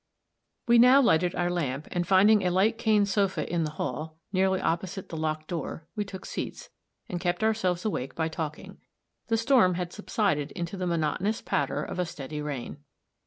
We now lighted our lamp, and, finding a light cane sofa in the hall, nearly opposite the locked door, we took seats, and kept ourselves awake by talking. The storm had subsided into the monotonous patter of a steady rain.